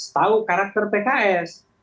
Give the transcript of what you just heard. tahu karakter pks